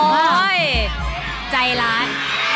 อ้อไม่ใจร้าย